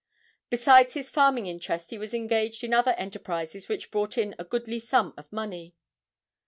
Besides his farming interest he was engaged in other enterprises which brought in a goodly sum of money.